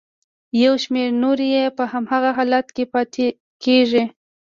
یو شمېر نورې یې په هماغه حالت کې پاتې کیږي.